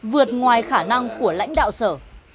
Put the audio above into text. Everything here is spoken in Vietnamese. vượt ngoài khả năng của lãnh đạo sở